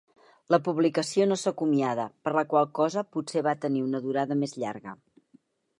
La publicació no s'acomiada, per la qual cosa potser va tenir una durada més llarga.